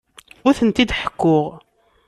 Ur tent-id-ḥekkuɣ.